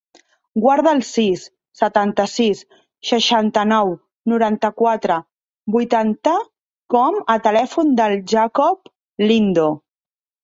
Guarda el sis, setanta-sis, seixanta-nou, noranta-quatre, vuitanta com a telèfon del Jacob Lindo.